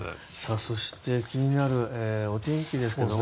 そして気になるお天気ですけども。